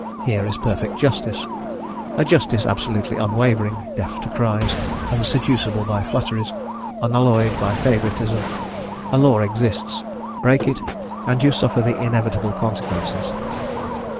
Here is perfect justice, a justice absolutely unwavering, deaf to cries, unseducible by flatteries, unalloyed by favouritism: a law exists, break it, and you suffer the inevitable consequences.